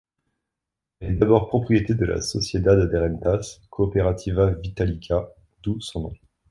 Elle est d’abord propriété de la Sociedad de Rentas Cooperativa Vitalicia, d’où son nom.